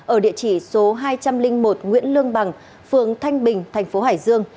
ở địa chỉ số hai trăm linh một nguyễn lương bằng phường thanh bình thành phố hải dương